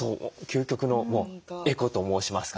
究極のもうエコと申しますかね